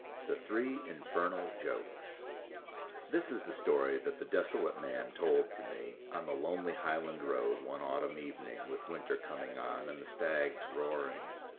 The Three Infernal Jokes This is the story that the desolate man told to me on the lonely Highland road one autumn evening with winter coming on and the stags roaring.